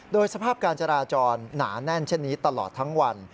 โดยสภาพการจราจรหนาแน่นเช่นนี้ตลอดทั้งวัน